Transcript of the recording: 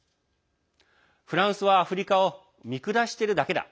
フランスはアフリカを見下しているだけだ。